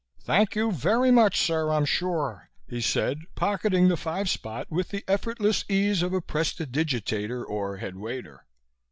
"Thank you very much, sir, I'm sure," he said, pocketing the five spot with the effortless ease of a prestidigitator or head waiter.